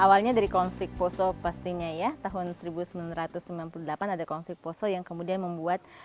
awalnya dari konflik poso pastinya ya tahun seribu sembilan ratus sembilan puluh delapan ada konflik poso yang kemudian membuat